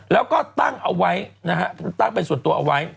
แล้วก็ตั้งเอาไว้นะฮะตั้งเป็นส่วนตัวเอาไว้